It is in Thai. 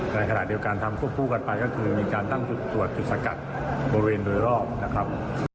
ในขณะเดียวกันทำควบคู่กันไปก็คือมีการตั้งจุดตรวจจุดสกัดบริเวณโดยรอบนะครับ